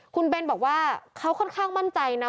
คุณเบนบอกว่าเขาค่อนข้างมั่นใจนะ